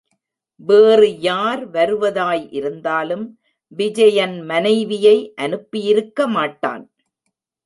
வேறு யார் வருவதாய் இருந்தாலும் விஜயன் மனைவியை அனுப்பியிருக்க மாட்டான்.